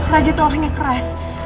raja tuh orangnya keras